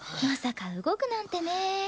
まさか動くなんてね。